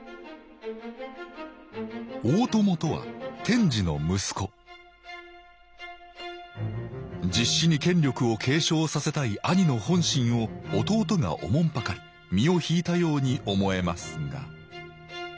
大友とは天智の息子実子に権力を継承させたい兄の本心を弟がおもんぱかり身を引いたように思えますが。